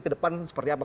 ke depan seperti apa